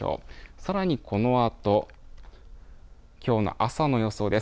さらにこのあときょうの朝の予想です。